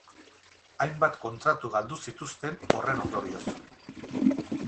Hainbat kontratu galdu zituzten horren ondorioz.